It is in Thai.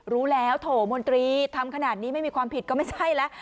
รู้แล้วโถมนตรีทำขนาดนี้ไม่มีความผิดก็ไม่ใช่แล้ว